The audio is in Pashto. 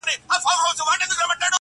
څو بې غیرته قاتلان اوس د قدرت پر ګدۍ،